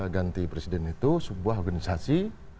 ganti presiden itu sebuah organisasi